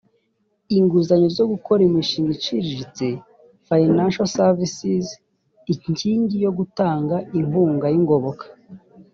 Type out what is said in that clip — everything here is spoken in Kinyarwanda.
inguzanyo zo gukora imishinga iciriritse financial services inkingi yo gutanga inkunga y ingoboka